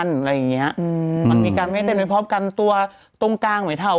อะไรอย่างเงี้ยอืมมันมีการไม่เต้นไปพร้อมกันตัวตรงกลางเหมือนเทา